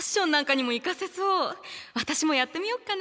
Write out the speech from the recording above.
私もやってみようかな！